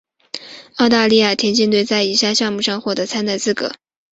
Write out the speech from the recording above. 澳大利亚田径队在以下项目上获得参赛资格。